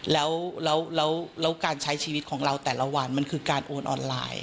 แล้วการใช้ชีวิตของเราแต่ละวันมันคือการโอนออนไลน์